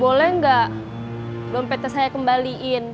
boleh nggak dompetnya saya kembaliin